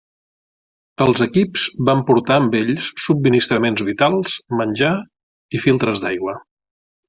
Els equips van portar amb ells subministraments vitals, menjar i filtres d'aigua.